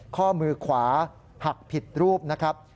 ข้อมือขวาหักผิดรูปนะครับ